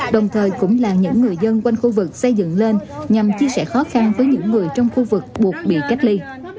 đồng thời cũng là những người dân quanh khu vực xây dựng lên nhằm chia sẻ khó khăn với những người trong khu vực buộc bị cách ly